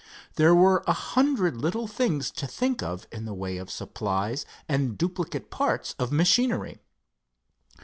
There were a hundred little things to think of in the way of supplies and duplicate parts of machinery.